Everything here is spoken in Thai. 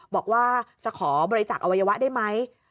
บอกว่าจะขอบริจาคอวัยวะได้ไหม